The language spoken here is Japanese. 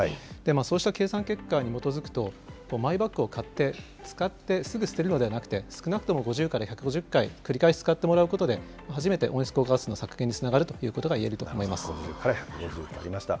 そうした計算結果に基づくと、マイバッグを買って、使ってすぐ捨てるのではなくて、少なくとも５０から１５０回、繰り返し使ってもらうことで、初めて温室効果ガスの削減につながるということがいえると思いま５０から１５０とありました。